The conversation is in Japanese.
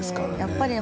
やっぱり